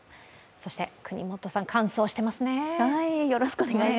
そして國本さん、乾燥していますね。